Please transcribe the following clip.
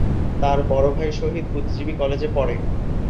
তার বড় ভাই শহীদ বুদ্ধিজীবী কলেজে পড়ে।